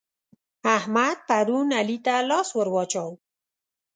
احمد پرون علي ته لاس ور واچاوو.